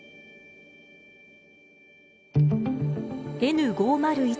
Ｎ５０１